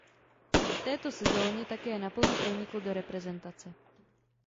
V této sezoně také naplno pronikl do reprezentace.